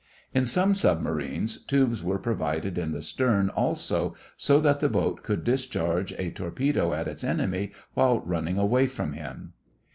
In some submarines tubes were provided in the stern also so that the boat could discharge a torpedo at its enemy while running away from him.